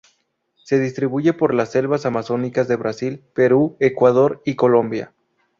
Se distribuye por las selvas amazónicas de Brasil, Perú, Ecuador y Colombia.